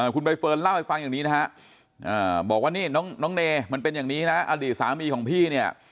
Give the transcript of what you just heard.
คุณใบเฟิร์นเล่าให้ฟังอย่างนี้นะฮะบอกว่านี่น้องเนมันเป็นอย่างนี้นะอดีตสามีของพี่เนี่ย